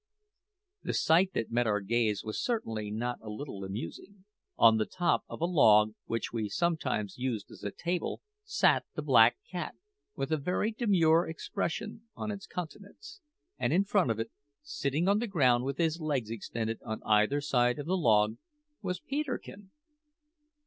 The sight that met our gaze was certainly not a little amusing. On the top of a log which we sometimes used as a table sat the black cat with a very demure expression on its countenance, and in front of it, sitting on the ground with his legs extended on either side of the log, was Peterkin.